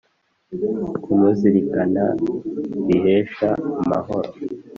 kumuzirikana bihesha amahoro